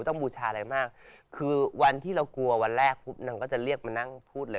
บูชาอะไรมากคือวันที่เรากลัววันแรกปุ๊บนางก็จะเรียกมานั่งพูดเลย